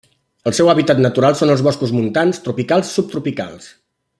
El seu hàbitat natural són els boscos montans tropicals i subtropicals.